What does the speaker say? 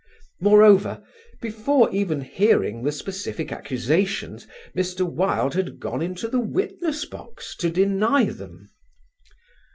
Moreover, before even hearing the specific accusations, Mr. Wilde had gone into the witness box to deny them.